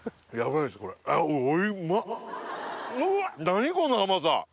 何この甘さ。